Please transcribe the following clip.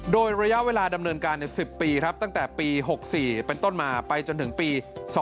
โดยระยะเวลาดำเนินการ๑๐ปีครับตั้งแต่ปี๖๔เป็นต้นมาไปจนถึงปี๒๕๖